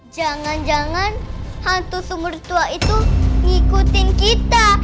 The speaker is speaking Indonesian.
jangan jangan hantu sumur tua itu ngikutin kita